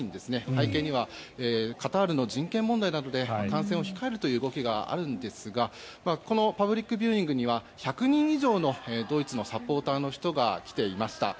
背景にはカタールの人権問題などで観戦を控えるという動きがあるんですがこのパブリックビューイングには１００人以上のドイツのサポーターの人が来ていました。